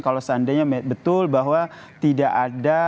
kalau seandainya betul bahwa tidak ada